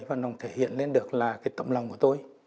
và nó thể hiện lên được là cái tấm lòng của tôi